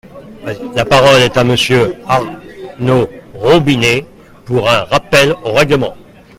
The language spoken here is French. La parole est à Monsieur Arnaud Robinet, pour un rappel au règlement.